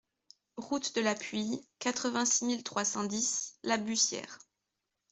Route de la Puye, quatre-vingt-six mille trois cent dix La Bussière